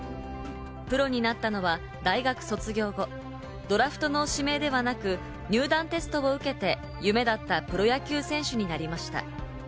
プロになったのは大学卒業後、ドラフトの指名ではなく、入団テストを受けて、夢だったプロ野球選手になりました。